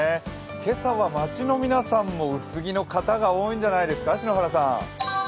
今朝は街の皆さんも薄着の方が多いんじゃないですか？